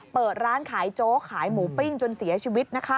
เปิดร้านขายโจ๊กขายหมูปิ้งจนเสียชีวิต